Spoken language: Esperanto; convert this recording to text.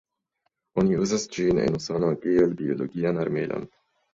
Oni uzas ĝin en Usono kiel biologian armilon.